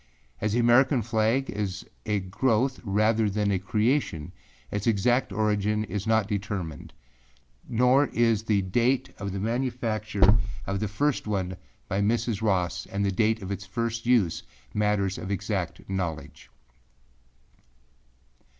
As the American flag is a growth rather than a creation, its exact origin is not determined; nor is the date of the manufacture of the first one by Mrs. Ross and the date of its first use matters of exact knowledge.